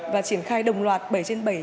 và triển khai đồng loạt bảy trên bảy